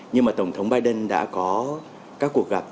nhưng mà tổng thống biden đã có các cuộc gặp